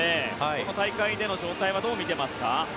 この大会での状態はどう見ていますか。